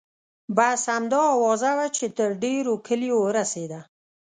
بس همدا اوازه وه چې تر ډېرو کلیو ورسیده.